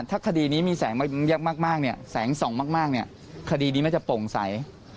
ถ้าคดีนี้มีแสงมากแสงส่องมากคดีนี้มันจะโป่งใส